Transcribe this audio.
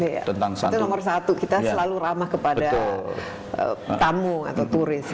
itu nomor satu kita selalu ramah kepada tamu atau turis